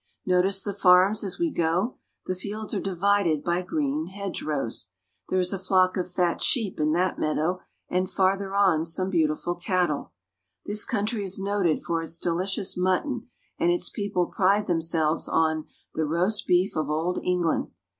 Notice the farms as we go ! The fields are divided by green hedgerows. There is a flock of fat sheep in that v£& 1 — a little farm settlement.' meadow and farther on are some beautiful cattle. This country is noted for its delicious mutton, and its people pride themselves on " the roast beef of old England."